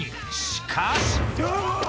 しかし。